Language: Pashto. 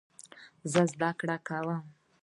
زه زده کړه کوم.